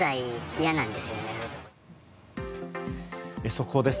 速報です。